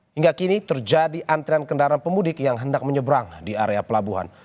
hingga kini terjadi antrian kendaraan pemudik yang hendak menyeberang di area pelabuhan